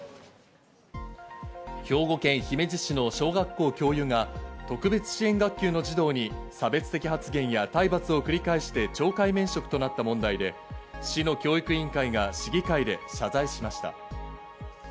兵庫県姫路市の小学校教諭が特別支援学級の児童に差別的発言や体罰を繰り返して懲戒免職となった問題で、市の教育委員会が市議会で謝罪しました。